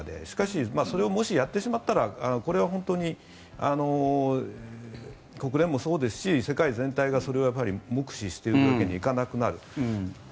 しかし、それをもしやってしまったらこれは本当に国連もそうですし世界全体がそれは黙視しているわけにはいかなくなる。